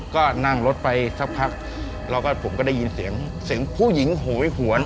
ก็นั่งรถไปสักพักแล้วก็ผมก็ได้ยินเสียงเสียงผู้หญิงโหยหวน